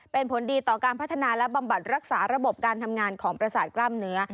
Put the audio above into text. เป็นผลดีต่อการพัฒนาและบำบัดรักษาระบบการทำงานของประสาทกล้ามเนื้อ